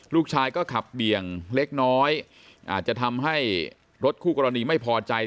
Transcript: ลูกชายก็ขับเบี่ยงเล็กน้อยอาจจะทำให้รถคู่กรณีไม่พอใจ